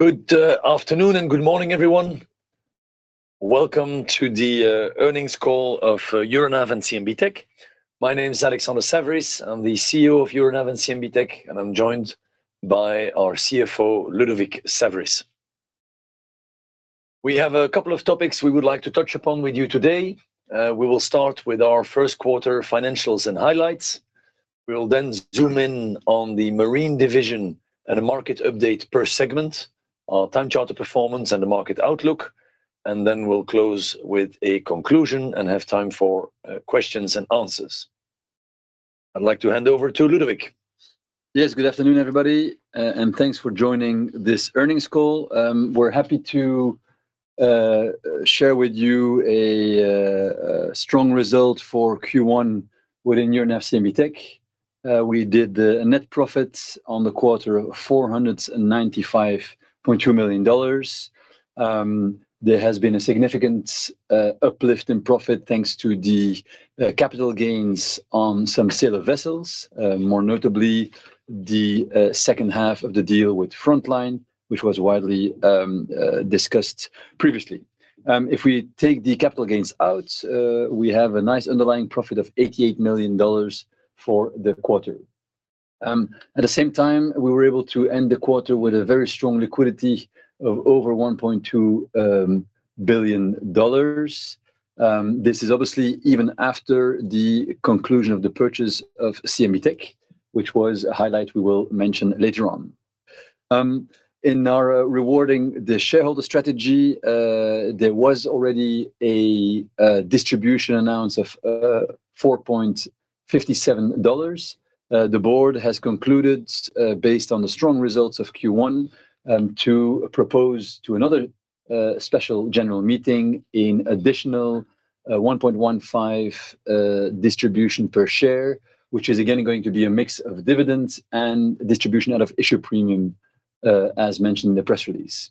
Good afternoon and good morning, everyone. Welcome to the earnings call of Euronav and CMB.TECH. My name is Alexander Saverys, I'm the CEO of Euronav and CMB.TECH, and I'm joined by our CFO Ludovic Saverys. We have a couple of topics we would like to touch upon with you today. We will start with our first quarter financials and highlights. We will then zoom in on the marine division and a market update per segment, our time chart of performance and the market outlook, and then we'll close with a conclusion and have time for questions and answers. I'd like to hand over to Ludovic. Yes, good afternoon, everybody, and thanks for joining this earnings call. We're happy to share with you a strong result for Q1 within Euronav CMB.TECH. We did a net profit on the quarter of $495.2 million. There has been a significant uplift in profit thanks to the capital gains on some sale of vessels, more notably the second half of the deal with Frontline, which was widely discussed previously. If we take the capital gains out, we have a nice underlying profit of $88 million for the quarter. At the same time, we were able to end the quarter with a very strong liquidity of over $1.2 billion. This is obviously even after the conclusion of the purchase of CMB.TECH, which was a highlight we will mention later on. In our rewarding the shareholder strategy, there was already a distribution announced of $4.57. The board has concluded, based on the strong results of Q1, to propose to another special general meeting an additional $1.15 distribution per share, which is again going to be a mix of dividends and distribution out of issue premium, as mentioned in the press release.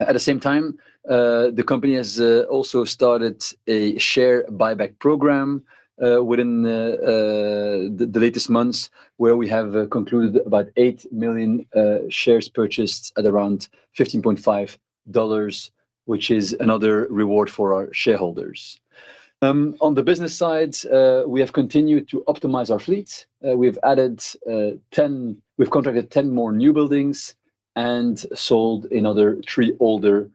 At the same time, the company has also started a share buyback program within the latest months where we have concluded about 8 million shares purchased at around $15.5, which is another reward for our shareholders. On the business side, we have continued to optimize our fleet. We've contracted 10 more new buildings and sold another three older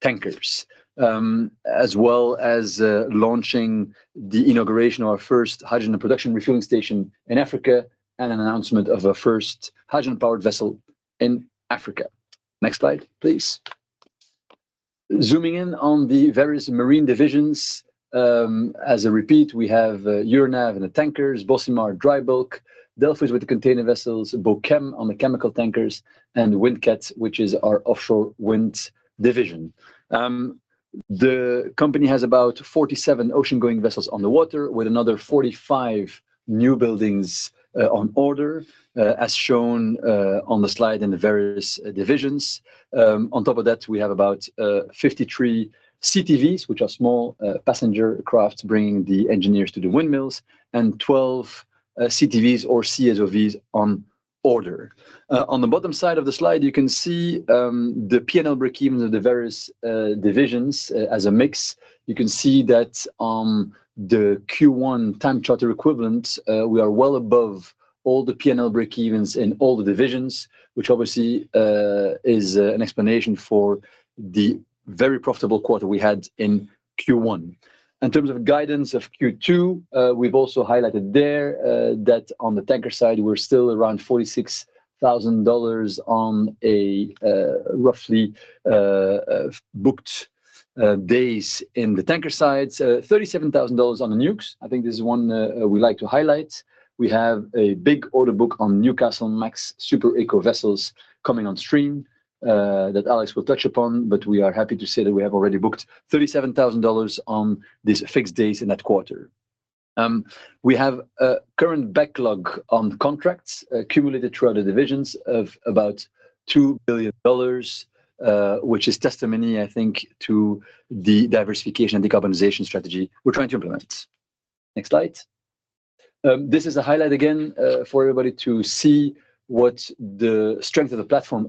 tankers, as well as launching the inauguration of our first hydrogen production refueling station in Africa and an announcement of our first hydrogen-powered vessel in Africa. Next slide, please. Zooming in on the various marine divisions. As a repeat, we have Euronav and the Tankers, Bocimar, Drybulk, Delphis with the container vessels, Bochem on the chemical tankers, and Windcat, which is our offshore wind division. The company has about 47 oceangoing vessels on the water with another 45 new buildings on order, as shown on the slide in the various divisions. On top of that, we have about 53 CTVs, which are small passenger crafts bringing the engineers to the windmills, and 12 CTVs or CSOVs on order. On the bottom side of the slide, you can see the P&L breakevens of the various divisions as a mix. You can see that on the Q1 time chart of equivalents, we are well above all the P&L breakevens in all the divisions, which obviously is an explanation for the very profitable quarter we had in Q1. In terms of guidance of Q2, we've also highlighted there that on the Tanker side, we're still around $46,000 on roughly booked days in the Tanker sides, $37,000 on the Newcs. I think this is one we like to highlight. We have a big order book on Newcastlemax super eco vessels coming on stream that Alex will touch upon, but we are happy to say that we have already booked $37,000 on these fixed days in that quarter. We have a current backlog on contracts accumulated throughout the divisions of about $2 billion, which is testimony, I think, to the diversification and decarbonization strategy we're trying to implement. Next slide. This is a highlight again for everybody to see what the strength of the platform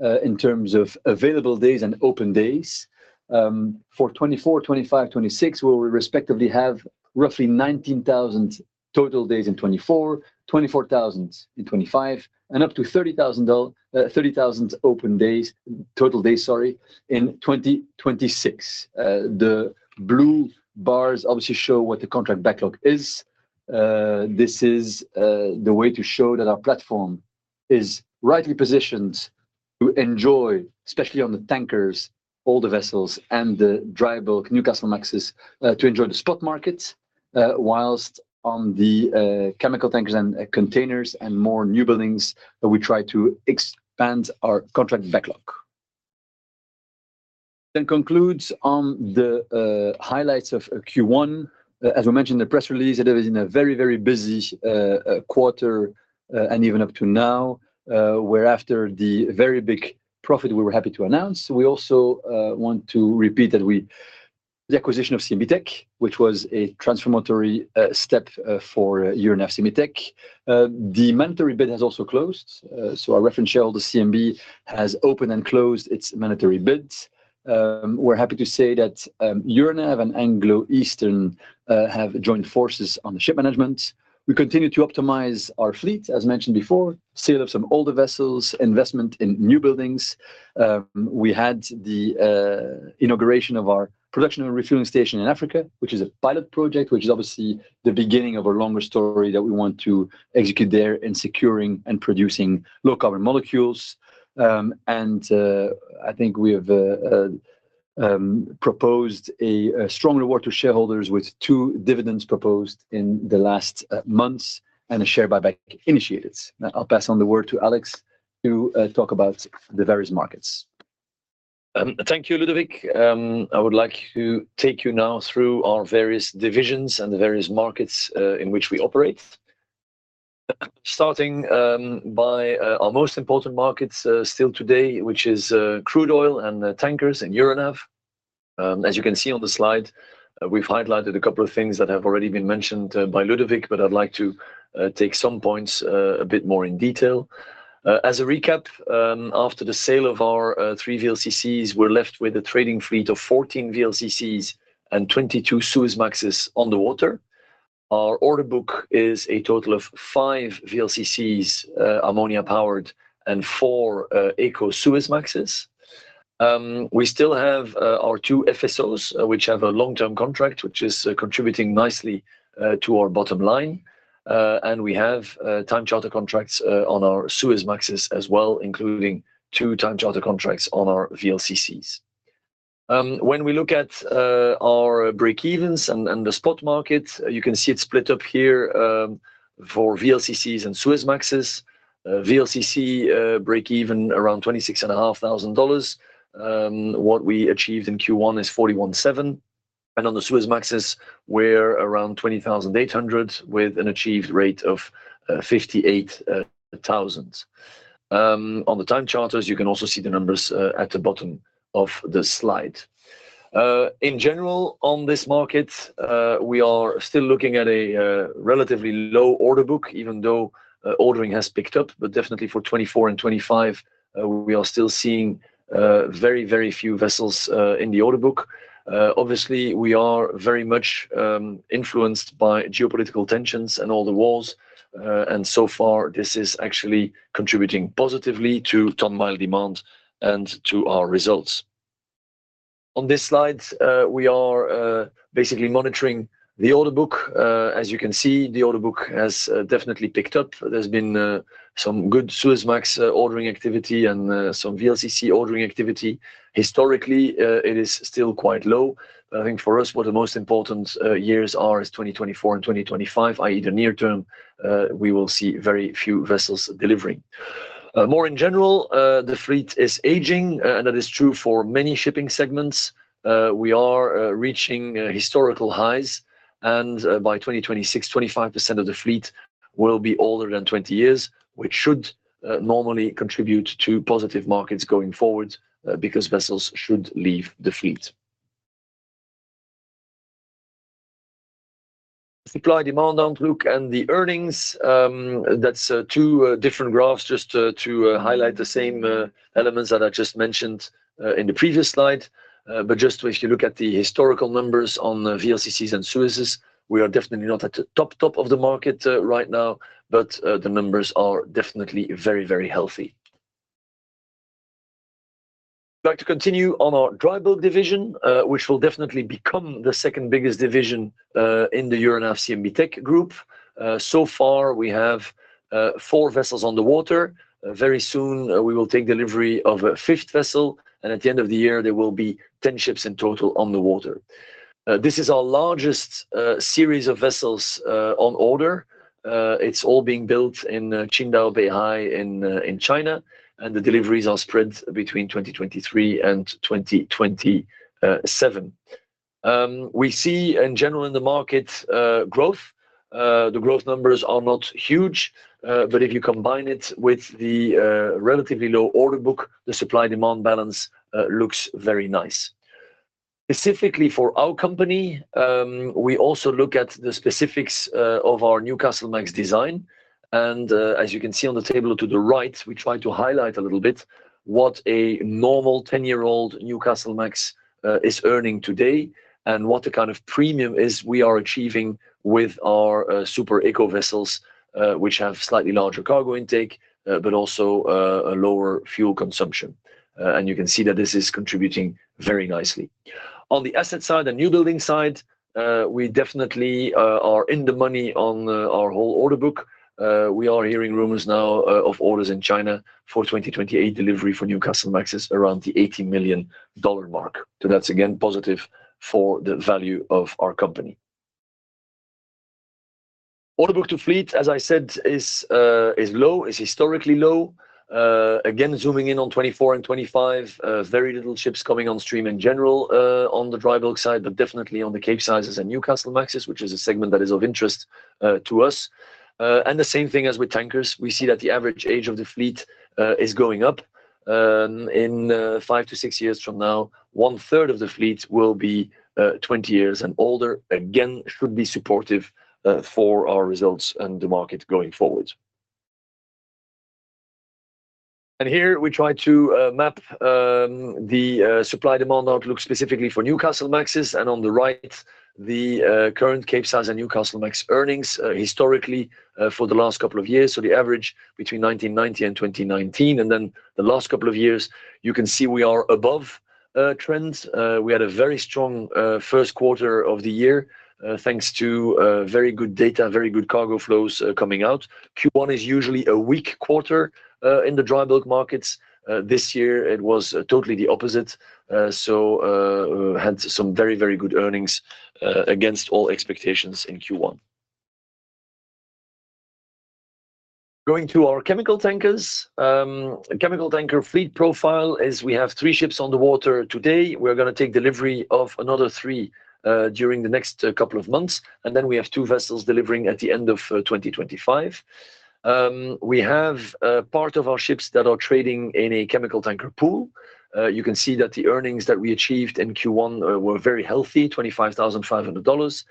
is in terms of available days and open days. For 2024, 2025, 2026, we'll respectively have roughly 19,000 total days in 2024, 24,000 in 2025, and up to 30,000 open days total days, sorry, in 2026. The blue bars obviously show what the contract backlog is. This is the way to show that our platform is rightly positioned to enjoy, especially on the tankers, all the vessels and the dry bulk, Newcastlemaxes, to enjoy the spot markets, while on the chemical tankers and containers and more new buildings, we try to expand our contract backlog. Then concludes on the highlights of Q1. As we mentioned in the press release, it has been a very, very busy quarter and even up to now, where after the very big profit we were happy to announce, we also want to repeat that we. The acquisition of CMB.TECH, which was a transformatory step for Euronav CMB.TECH. The mandatory bid has also closed, so our reference shareholder CMB has opened and closed its mandatory bids. We're happy to say that Euronav and Anglo-Eastern have joined forces on the ship management. We continue to optimize our fleet, as mentioned before, sale of some older vessels, investment in new buildings. We had the inauguration of our production and refueling station in Africa, which is a pilot project, which is obviously the beginning of a longer story that we want to execute there in securing and producing low carbon molecules. And I think we have proposed a strong reward to shareholders with two dividends proposed in the last months and a share buyback initiated. I'll pass on the word to Alex to talk about the various markets. Thank you, Ludovic. I would like to take you now through our various divisions and the various markets in which we operate. Starting by our most important markets still today, which is crude oil and tankers in Euronav. As you can see on the slide, we've highlighted a couple of things that have already been mentioned by Ludovic, but I'd like to take some points a bit more in detail. As a recap, after the sale of our three VLCCs, we're left with a trading fleet of 14 VLCCs and 22 Suezmaxes on the water. Our order book is a total of five VLCCs ammonia-powered and four eco Suezmaxes. We still have our two FSOs, which have a long-term contract, which is contributing nicely to our bottom line. We have time charter contracts on our Suezmaxes as well, including two time charter contracts on our VLCCs. When we look at our breakevens and the spot market, you can see it split up here for VLCCs and Suezmaxes. VLCC breakeven around $26,500. What we achieved in Q1 is $41,700. And on the Suezmaxes, we're around $20,800 with an achieved rate of $58,000. On the time charters, you can also see the numbers at the bottom of the slide. In general, on this market, we are still looking at a relatively low order book, even though ordering has picked up, but definitely for 2024 and 2025, we are still seeing very, very few vessels in the order book. Obviously, we are very much influenced by geopolitical tensions and all the wars. So far, this is actually contributing positively to ton-mile demand and to our results. On this slide, we are basically monitoring the order book. As you can see, the order book has definitely picked up. There's been some good Suezmax ordering activity and some VLCC ordering activity. Historically, it is still quite low. I think for us, what the most important years are is 2024 and 2025, i.e., the near term, we will see very few vessels delivering. More in general, the fleet is aging, and that is true for many shipping segments. We are reaching historical highs, and by 2026, 25% of the fleet will be older than 20 years, which should normally contribute to positive markets going forward because vessels should leave the fleet. Supply demand outlook and the earnings, that's two different graphs just to highlight the same elements that I just mentioned in the previous slide. But just if you look at the historical numbers on VLCCs and Suezes, we are definitely not at the top top of the market right now, but the numbers are definitely very, very healthy. I'd like to continue on our dry bulk division, which will definitely become the second biggest division in the Euronav CMB.TECH group. So far, we have 4 vessels on the water. Very soon, we will take delivery of a fifth vessel, and at the end of the year, there will be 10 ships in total on the water. This is our largest series of vessels on order. It's all being built in Qingdao Beihai Shipbuilding in China, and the deliveries are spread between 2023 and 2027. We see in general in the market growth. The growth numbers are not huge, but if you combine it with the relatively low order book, the supply demand balance looks very nice. Specifically for our company, we also look at the specifics of our Newcastlemax design. As you can see on the table to the right, we try to highlight a little bit what a normal 10-year-old Newcastlemax is earning today and what the kind of premium we are achieving with our super eco vessels, which have slightly larger cargo intake, but also a lower fuel consumption. You can see that this is contributing very nicely. On the asset side, the new building side, we definitely are in the money on our whole order book. We are hearing rumors now of orders in China for 2028 delivery for Newcastlemaxes around the $80 million mark. So that's again positive for the value of our company. Order book to fleet, as I said, is low, is historically low. Again, zooming in on 2024 and 2025, very little ships coming on stream in general on the dry bulk side, but definitely on the Capesize and Newcastlemaxes, which is a segment that is of interest to us. And the same thing as with tankers, we see that the average age of the fleet is going up. In 5-6 years from now, one third of the fleet will be 20 years and older. Again, should be supportive for our results and the market going forward. And here we try to map the supply demand outlook specifically for Newcastlemaxes, and on the right, the current Capesize and Newcastlemax earnings historically for the last couple of years. So the average between 1990 and 2019, and then the last couple of years, you can see we are above trends. We had a very strong first quarter of the year thanks to very good data, very good cargo flows coming out. Q1 is usually a weak quarter in the dry bulk markets. This year, it was totally the opposite. So had some very, very good earnings against all expectations in Q1. Going to our chemical tankers, chemical tanker fleet profile is we have three ships on the water today. We're going to take delivery of another three during the next couple of months, and then we have two vessels delivering at the end of 2025. We have part of our ships that are trading in a chemical tanker pool. You can see that the earnings that we achieved in Q1 were very healthy, $25,500.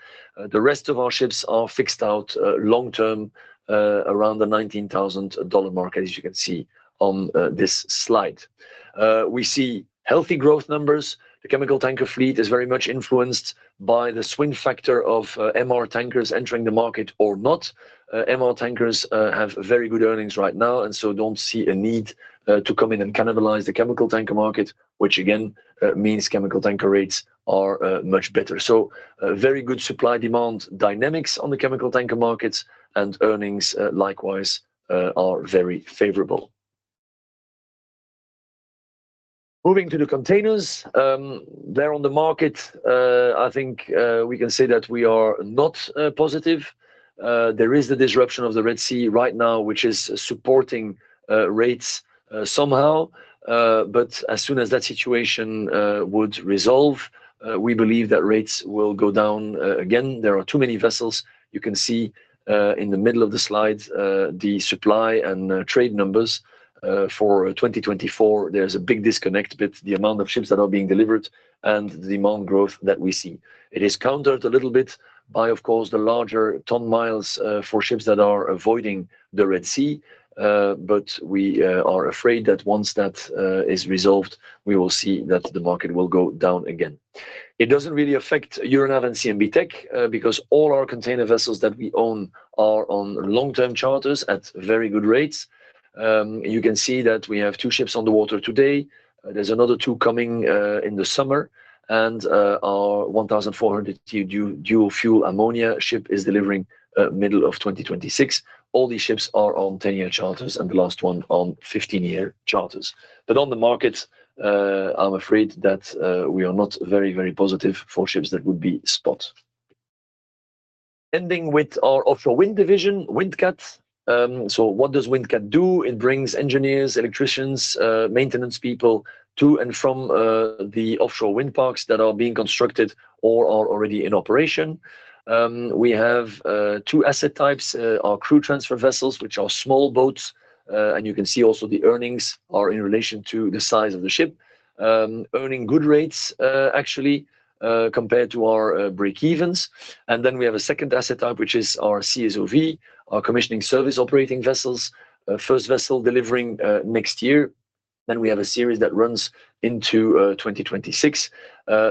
The rest of our ships are fixed out long term around the $19,000 mark, as you can see on this slide. We see healthy growth numbers. The chemical tanker fleet is very much influenced by the swing factor of MR tankers entering the market or not. MR tankers have very good earnings right now, and so don't see a need to come in and cannibalize the chemical tanker market, which again means chemical tanker rates are much better. So very good supply demand dynamics on the chemical tanker markets, and earnings likewise are very favorable. Moving to the containers, they're on the market. I think we can say that we are not positive. There is the disruption of the Red Sea right now, which is supporting rates somehow. But as soon as that situation would resolve, we believe that rates will go down again. There are too many vessels. You can see in the middle of the slide the supply and trade numbers for 2024. There's a big disconnect between the amount of ships that are being delivered and the demand growth that we see. It is countered a little bit by, of course, the larger ton miles for ships that are avoiding the Red Sea. But we are afraid that once that is resolved, we will see that the market will go down again. It doesn't really affect Euronav and CMB.TECH because all our container vessels that we own are on long-term charters at very good rates. You can see that we have two ships on the water today. There's another two coming in the summer, and our 1,400-tier dual fuel ammonia ship is delivering middle of 2026. All these ships are on 10-year charters and the last one on 15-year charters. But on the market, I'm afraid that we are not very, very positive for ships that would be spot. Ending with our offshore wind division, Windcat. So what does Windcat do? It brings engineers, electricians, maintenance people to and from the offshore wind parks that are being constructed or are already in operation. We have two asset types: our crew transfer vessels, which are small boats, and you can see also the earnings are in relation to the size of the ship, earning good rates actually compared to our breakevens. And then we have a second asset type, which is our CSOV, our commissioning service operating vessels, first vessel delivering next year. Then we have a series that runs into 2026.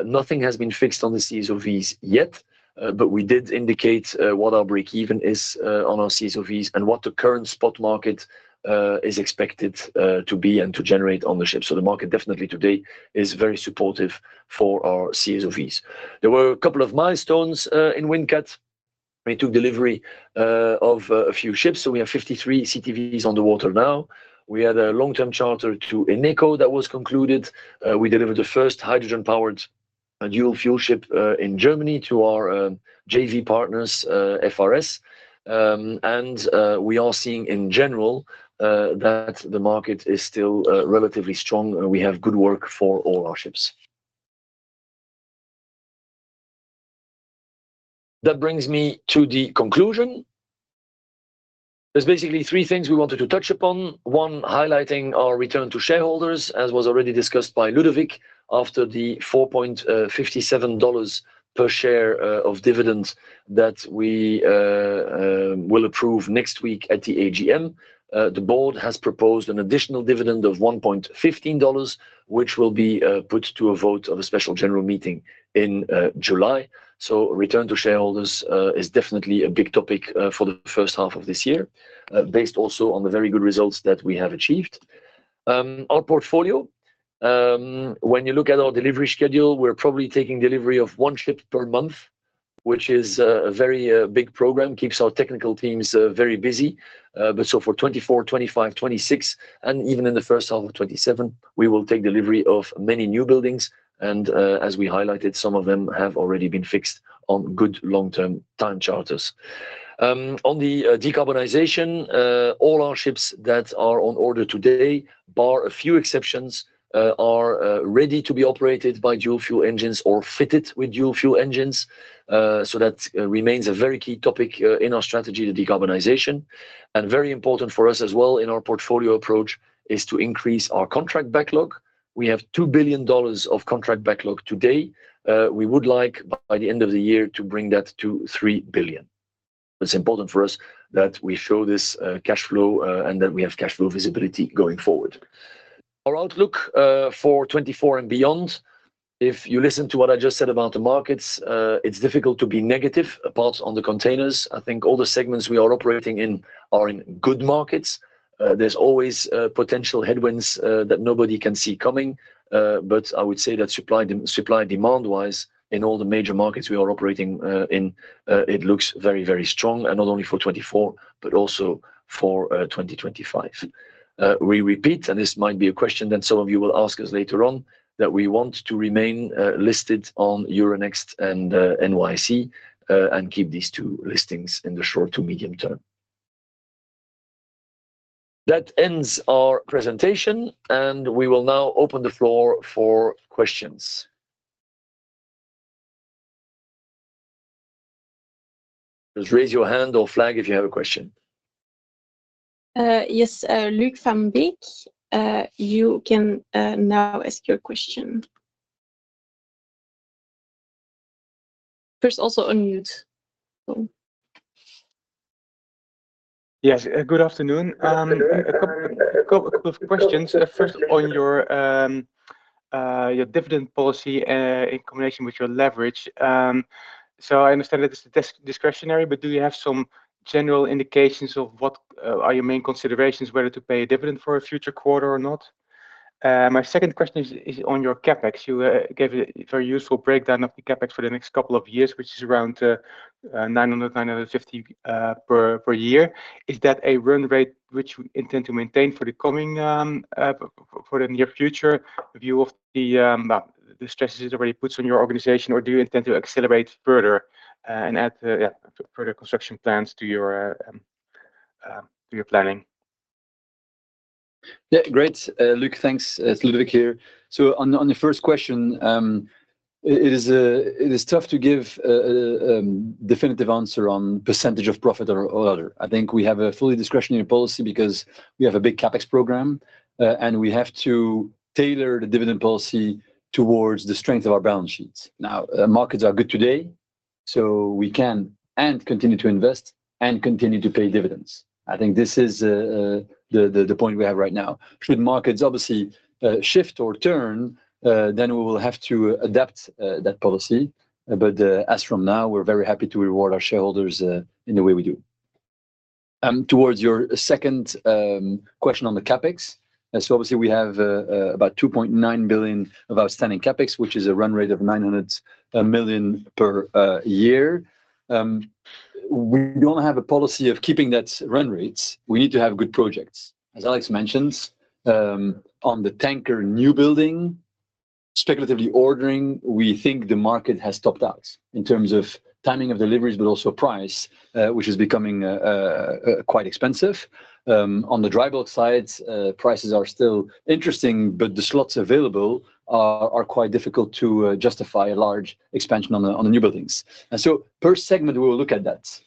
Nothing has been fixed on the CSOVs yet, but we did indicate what our breakeven is on our CSOVs and what the current spot market is expected to be and to generate on the ship. So the market definitely today is very supportive for our CSOVs. There were a couple of milestones in Windcat. We took delivery of a few ships. So we have 53 CTVs on the water now. We had a long-term charter to Eneco that was concluded. We delivered the first hydrogen-powered dual fuel ship in Germany to our JV partners, FRS. And we are seeing in general that the market is still relatively strong. We have good work for all our ships. That brings me to the conclusion. There's basically three things we wanted to touch upon. One, highlighting our return to shareholders, as was already discussed by Ludovic after the $4.57 per share of dividend that we will approve next week at the AGM. The board has proposed an additional dividend of $1.15, which will be put to a vote of a special general meeting in July. So return to shareholders is definitely a big topic for the first half of this year based also on the very good results that we have achieved. Our portfolio, when you look at our delivery schedule, we're probably taking delivery of one ship per month, which is a very big program, keeps our technical teams very busy. But so for 2024, 2025, 2026, and even in the first half of 2027, we will take delivery of many new buildings. And as we highlighted, some of them have already been fixed on good long-term time charters. On the decarbonization, all our ships that are on order today, bar a few exceptions, are ready to be operated by dual fuel engines or fitted with dual fuel engines. So that remains a very key topic in our strategy, the decarbonization. Very important for us as well in our portfolio approach is to increase our contract backlog. We have $2 billion of contract backlog today. We would like by the end of the year to bring that to $3 billion. It's important for us that we show this cash flow and that we have cash flow visibility going forward. Our outlook for 2024 and beyond, if you listen to what I just said about the markets, it's difficult to be negative apart from the containers. I think all the segments we are operating in are in good markets. There's always potential headwinds that nobody can see coming. But I would say that supply demand-wise in all the major markets we are operating in, it looks very, very strong, and not only for 2024, but also for 2025. We repeat, and this might be a question that some of you will ask us later on, that we want to remain listed on Euronext and NYSE and keep these two listings in the short to medium term. That ends our presentation, and we will now open the floor for questions. Just raise your hand or flag if you have a question. Yes, Luuk van Beek. You can now ask your question. First also unmute. Yes, good afternoon. A couple of questions. First, on your dividend policy in combination with your leverage. So I understand that it's discretionary, but do you have some general indications of what are your main considerations, whether to pay a dividend for a future quarter or not? My second question is on your CapEx. You gave a very useful breakdown of the CapEx for the next couple of years, which is around $900-$950 per year. Is that a run rate which you intend to maintain for the near future in view of the stresses it already puts on your organization, or do you intend to accelerate further and add further construction plans to your planning? Yeah, great. Luuk, thanks. It's Ludovic here. So on the first question, it is tough to give a definitive answer on percentage of profit or other. I think we have a fully discretionary policy because we have a big CapEx program, and we have to tailor the dividend policy towards the strength of our balance sheets. Now, markets are good today, so we can and continue to invest and continue to pay dividends. I think this is the point we have right now. Should markets obviously shift or turn, then we will have to adapt that policy. But as from now, we're very happy to reward our shareholders in the way we do. Towards your second question on the CapEx, so obviously we have about $2.9 billion of outstanding CapEx, which is a run rate of $900 million per year. We don't have a policy of keeping that run rates. We need to have good projects. As Alex mentioned, on the tanker new building, speculatively ordering, we think the market has topped out in terms of timing of deliveries, but also price, which is becoming quite expensive. On the dry bulk side, prices are still interesting, but the slots available are quite difficult to justify a large expansion on the new buildings. Per segment, we will look at that.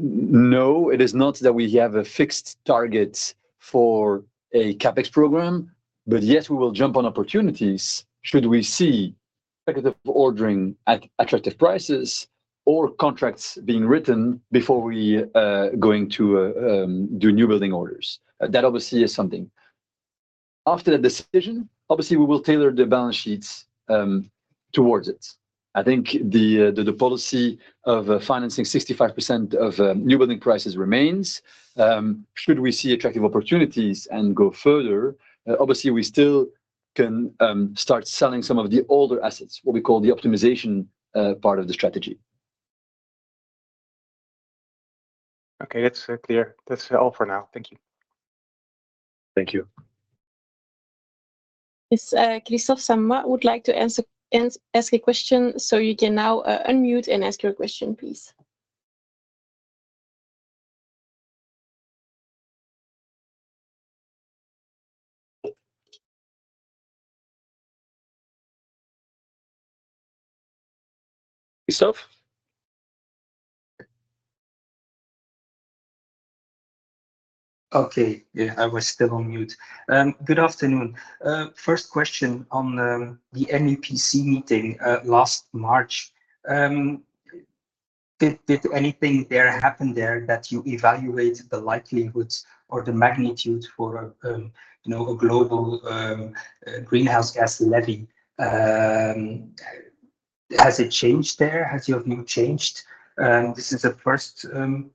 No, it is not that we have a fixed target for a CapEx program. But yes, we will jump on opportunities should we see speculative ordering at attractive prices or contracts being written before we are going to do new building orders. That obviously is something. After that decision, obviously we will tailor the balance sheets towards it. I think the policy of financing 65% of new building prices remains. Should we see attractive opportunities and go further, obviously we still can start selling some of the older assets, what we call the optimization part of the strategy. Okay, that's clear. That's all for now. Thank you. Thank you. Yes, Kristof Samoy would like to ask a question. So you can now unmute and ask your question, please. Kristof? Okay, yeah, I was still on mute. Good afternoon. First question on the MEPC meeting last March. Did anything there happen there that you evaluate the likelihood or the magnitude for a global greenhouse gas levy? Has it changed there? Has your view changed? This is the first question.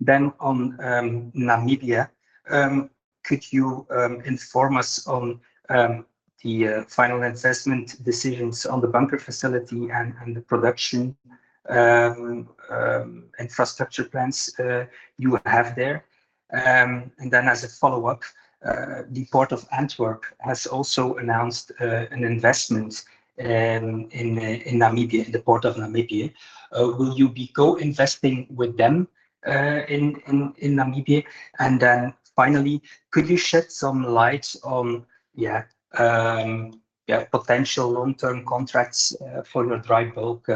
Then on Namibia, could you inform us on the final assessment decisions on the bunker facility and the production infrastructure plans you have there? And then as a follow-up, the Port of Antwerp has also announced an investment in Namibia, in the Port of Namibia. Will you be co-investing with them in Namibia? And then finally, could you shed some light on potential long-term contracts for your dry bulk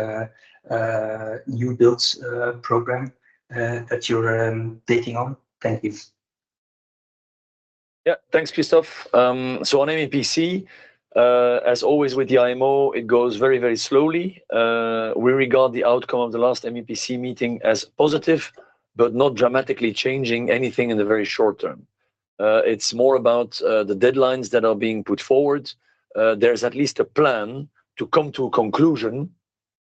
new builds program that you're waiting on? Thank you. Yeah, thanks, Kristof. So on MEPC, as always with the IMO, it goes very, very slowly. We regard the outcome of the last MEPC meeting as positive, but not dramatically changing anything in the very short term. It's more about the deadlines that are being put forward. There's at least a plan to come to a conclusion,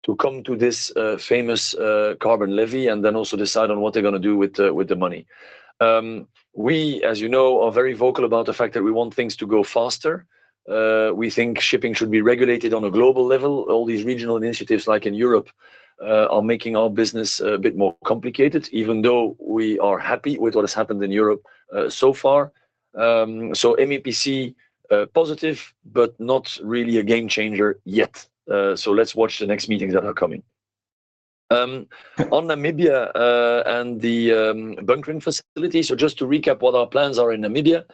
to come to this famous carbon levy, and then also decide on what they're going to do with the money. We, as you know, are very vocal about the fact that we want things to go faster. We think shipping should be regulated on a global level. All these regional initiatives, like in Europe, are making our business a bit more complicated, even though we are happy with what has happened in Europe so far. So MEPC, positive, but not really a game changer yet. So let's watch the next meetings that are coming. On Namibia and the bunkering facility, so just to recap what our plans are in Namibia,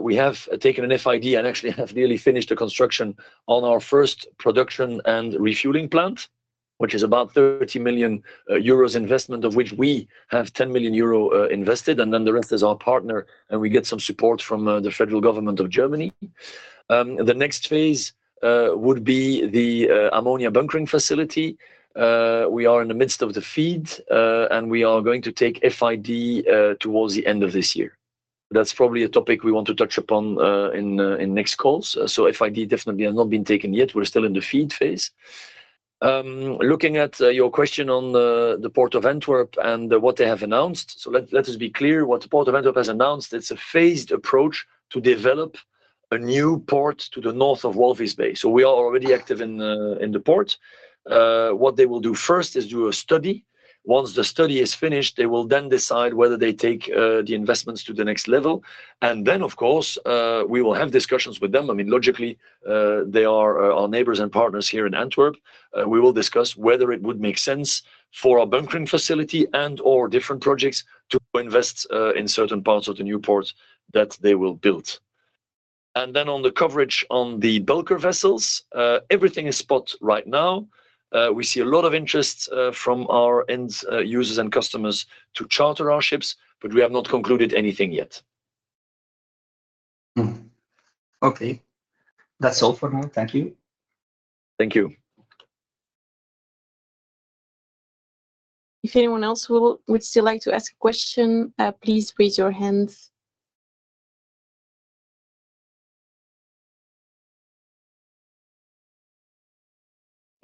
we have taken an FID and actually have nearly finished the construction on our first production and refueling plant, which is about 30 million euros investment, of which we have 10 million euro invested, and then the rest is our partner, and we get some support from the federal government of Germany. The next phase would be the ammonia bunkering facility. We are in the midst of the FEED, and we are going to take FID towards the end of this year. That's probably a topic we want to touch upon in next calls. So FID definitely has not been taken yet. We're still in the FEED phase. Looking at your question on the Port of Antwerp and what they have announced, so let us be clear what the Port of Antwerp has announced. It's a phased approach to develop a new port to the north of Walvis Bay. So we are already active in the port. What they will do first is do a study. Once the study is finished, they will then decide whether they take the investments to the next level. And then, of course, we will have discussions with them. I mean, logically, they are our neighbors and partners here in Antwerp. We will discuss whether it would make sense for our bunkering facility and/or different projects to invest in certain parts of the new port that they will build. And then on the coverage on the bulker vessels, everything is spot right now. We see a lot of interest from our end users and customers to charter our ships, but we have not concluded anything yet. Okay. That's all for now. Thank you. Thank you. If anyone else would still like to ask a question, please raise your hand.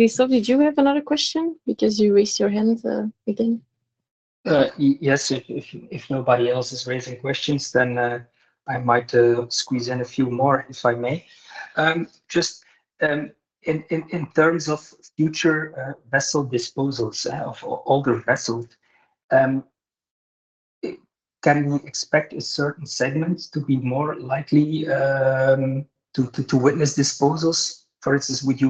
Kristof, did you have another question because you raised your hand again? Yes. If nobody else is raising questions, then I might squeeze in a few more if I may. Just in terms of future vessel disposals of older vessels, can we expect a certain segment to be more likely to witness disposals? For instance, would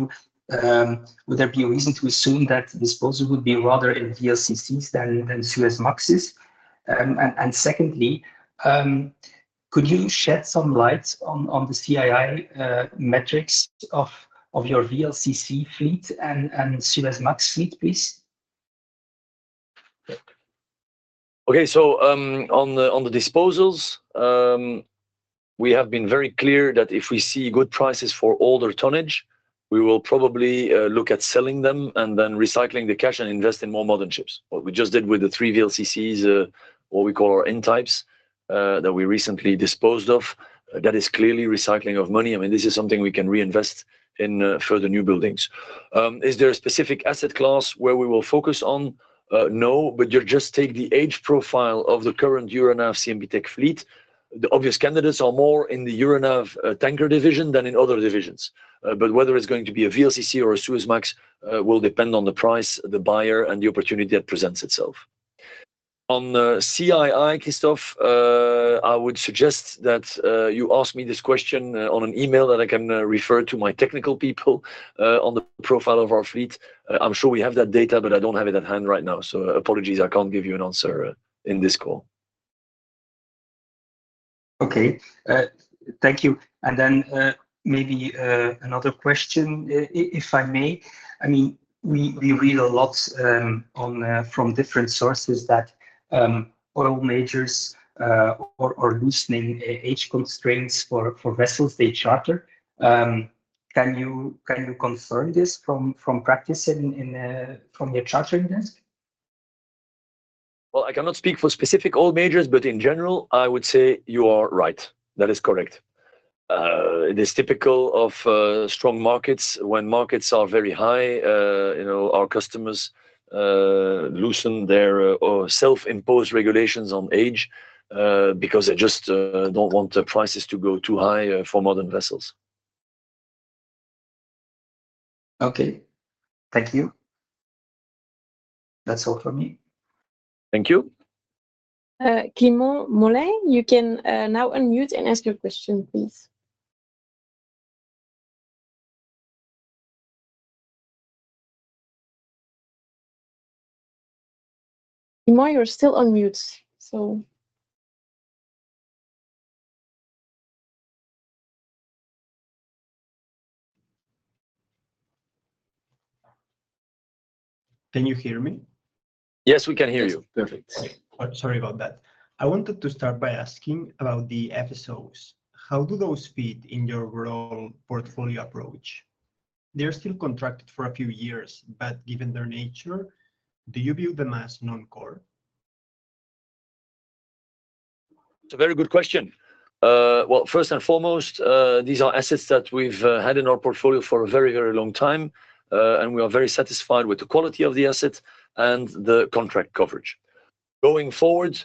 there be a reason to assume that disposal would be rather in VLCCs than Suezmaxes? And secondly, could you shed some light on the CII metrics of your VLCC fleet and Suezmax fleet, please? Okay. So on the disposals, we have been very clear that if we see good prices for older tonnage, we will probably look at selling them and then recycling the cash and invest in more modern ships. What we just did with the three VLCCs, what we call our N-types that we recently disposed of, that is clearly recycling of money. I mean, this is something we can reinvest in further new buildings. Is there a specific asset class where we will focus on? No, but you just take the age profile of the current Euronav CMB.TECH fleet. The obvious candidates are more in the Euronav tanker division than in other divisions. But whether it's going to be a VLCC or a Suezmax will depend on the price, the buyer, and the opportunity that presents itself. On CII, Kristof, I would suggest that you ask me this question on an email that I can refer to my technical people on the profile of our fleet. I'm sure we have that data, but I don't have it at hand right now. So apologies, I can't give you an answer in this call. Okay. Thank you. And then maybe another question, if I may. I mean, we read a lot from different sources that oil majors are loosening age constraints for vessels they charter. Can you confirm this from practice from your chartering desk? Well, I cannot speak for specific oil majors, but in general, I would say you are right. That is correct. It is typical of strong markets. When markets are very high, our customers loosen their self-imposed regulations on age because they just don't want prices to go too high for modern vessels. Okay. Thank you. That's all for me. Thank you. Quirijn Mulder, you can now unmute and ask your question, please. Quirijn, you're still on mute, so. Can you hear me? Yes, we can hear you. Perfect. Sorry about that. I wanted to start by asking about the FSOs. How do those fit in your overall portfolio approach? They are still contracted for a few years, but given their nature, do you view them as non-core? It's a very good question. Well, first and foremost, these are assets that we've had in our portfolio for a very, very long time, and we are very satisfied with the quality of the asset and the contract coverage. Going forward,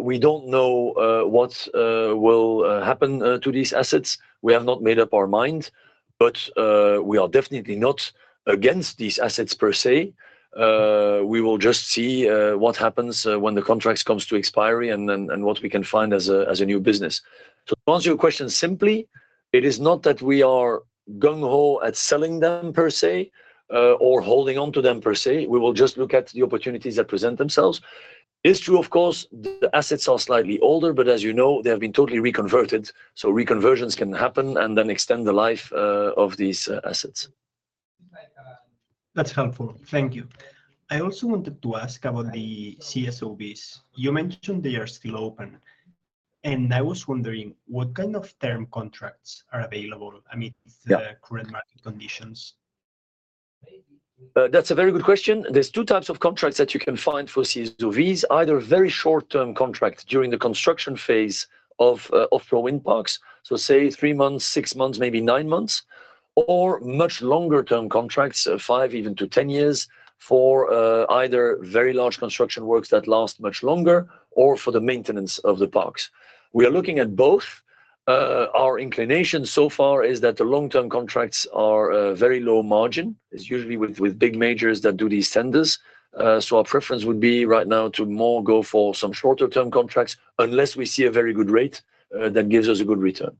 we don't know what will happen to these assets. We have not made up our mind, but we are definitely not against these assets per se. We will just see what happens when the contract comes to expiry and what we can find as a new business. So to answer your question simply, it is not that we are gung-ho at selling them per se or holding onto them per se. We will just look at the opportunities that present themselves. It's true, of course, the assets are slightly older, but as you know, they have been totally reconverted. Reconversion can happen and then extend the life of these assets. That's helpful. Thank you. I also wanted to ask about the CSOVs. You mentioned they are still open. I was wondering what kind of term contracts are available amidst the current market conditions? That's a very good question. There's two types of contracts that you can find for CSOVs, either very short-term contracts during the construction phase of offshore wind parks, so say three months, six months, maybe nine months, or much longer-term contracts, five even to 10 years, for either very large construction works that last much longer or for the maintenance of the parks. We are looking at both. Our inclination so far is that the long-term contracts are very low margin, usually with big majors that do these tenders. So our preference would be right now to more go for some shorter-term contracts unless we see a very good rate that gives us a good return.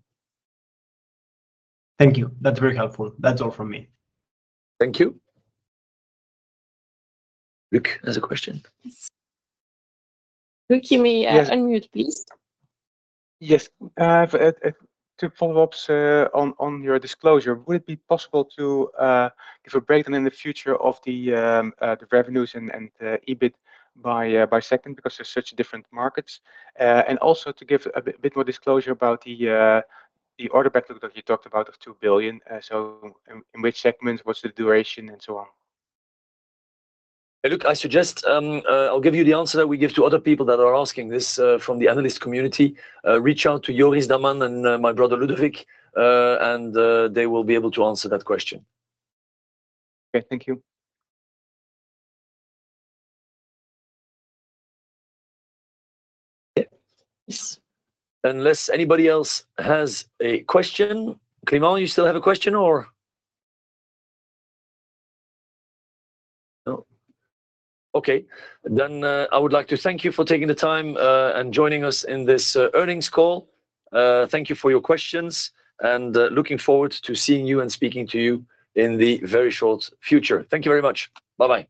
Thank you. That's very helpful. That's all from me. Thank you. Luuk has a question. Luuk, you may unmute, please. Yes. To follow up on your disclosure, would it be possible to give a breakdown in the future of the revenues and EBIT by segment because there's such different markets? And also to give a bit more disclosure about the order backlog that you talked about of $2 billion, so in which segments, what's the duration, and so on. Luuk, I suggest I'll give you the answer that we give to other people that are asking this from the analyst community. Reach out to Joris Daman and my brother Ludovic, and they will be able to answer that question. Okay. Thank you. Yes. Unless anybody else has a question. Kimmo, you still have a question, or? No? Okay. Then I would like to thank you for taking the time and joining us in this earnings call. Thank you for your questions, and looking forward to seeing you and speaking to you in the very short future. Thank you very much. Bye-bye.